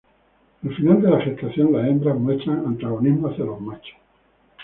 Al final de la gestación las hembras muestran antagonismo hacia los machos.